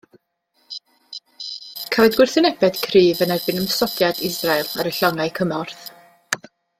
Cafwyd gwrthwynebiad cryf yn erbyn ymosodiad Israel ar y llongau cymorth.